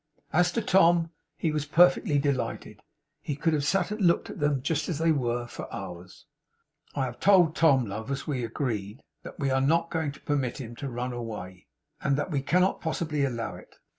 As to Tom, he was perfectly delighted. He could have sat and looked at them, just as they were, for hours. 'I have told Tom, love, as we agreed, that we are not going to permit him to run away, and that we cannot possibly allow it.